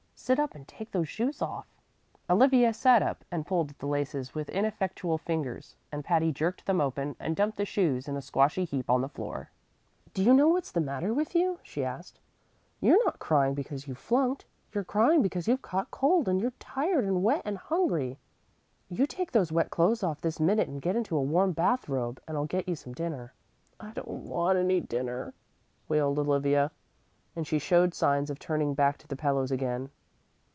Sit up and take those shoes off." Olivia sat up and pulled at the laces with ineffectual fingers, and Patty jerked them open and dumped the shoes in a squashy heap on the floor. "Do you know what's the matter with you?" she asked. "You're not crying because you've flunked. You're crying because you've caught cold, and you're tired and wet and hungry. You take those wet clothes off this minute and get into a warm bath robe, and I'll get you some dinner." "I don't want any dinner," wailed Olivia, and she showed signs of turning back to the pillows again.